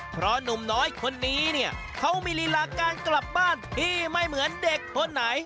เพราะหนุ่มน้อยคนนี้เนี่ยเขามีลีลาการกลับบ้านที่ไม่เหมือนเด็กคนไหน